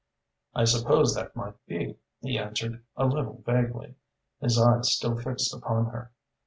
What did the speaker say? "I suppose that might be," he answered, a little vaguely, his eyes still fixed upon her.